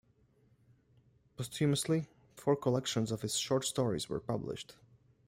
Posthumously, four collections of his short stories were published.